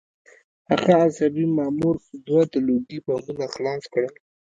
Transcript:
هغه عصبي مامور دوه د لوګي بمونه خلاص کړل